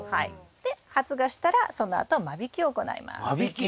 で発芽したらそのあと間引きを行います。